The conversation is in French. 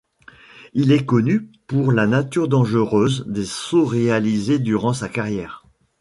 Il est connu pour la nature dangereuse des sauts réalisés durant sa carrière.